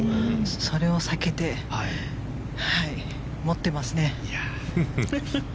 それを避けて、持ってますね。